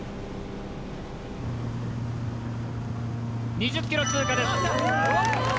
２０ｋｍ通過です。